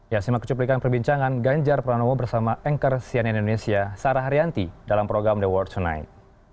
ya simak cuplikan perbincangan ganjar pranowo bersama anchor cnn indonesia sarah haryanti dalam program the world tonight